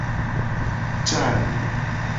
Ca nu.